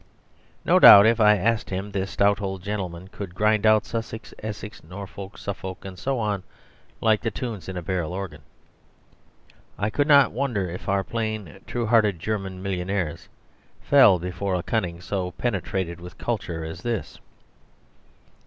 No doubt, if I asked him, this stout old gentleman could grind out Sussex, Essex, Norfolk, Suffolk, and so on, like the tunes in a barrel organ. I could not wonder if our plain, true hearted German millionaires fell before a cunning so penetrated with culture as this.